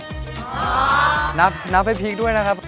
นับให้พีคด้วยนะครับ